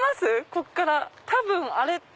ここから多分あれって。